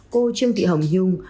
cô trương thị hồng nhung